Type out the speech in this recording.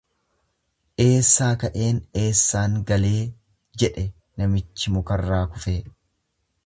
Eessaa ka'een eessaan galee jedhe namichi mukarraa kufee.